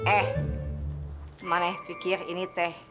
eh mana ya pikir ini teh